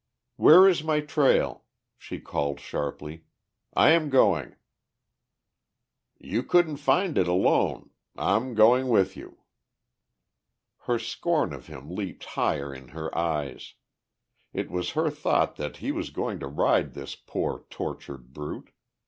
"Where is my trail?" she called sharply. "I am going." "You couldn't find it alone. I'm going with you." Her scorn of him leaped higher in her eyes. It was her thought that he was going to ride this poor, tortured brute.